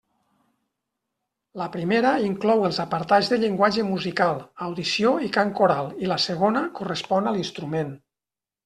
La primera inclou els apartats de llenguatge musical, audició i cant coral, i la segona correspon a l'instrument.